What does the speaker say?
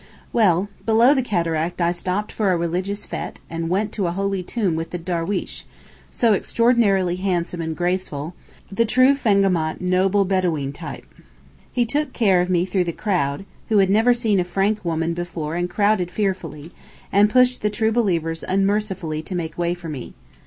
Well, below the cataract I stopped for a religious fête, and went to a holy tomb with the darweesh, so extraordinarily handsome and graceful—the true feingemacht noble Bedaween type. He took care of me through the crowd, who never had seen a Frank woman before and crowded fearfully, and pushed the true believers unmercifully to make way for me.